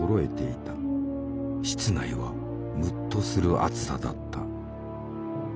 室内はむっとする暑さだった。